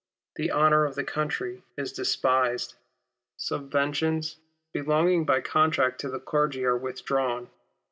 The honour of the country is despised. Sul)ventions belonging by contract to the clergy are withdrawn.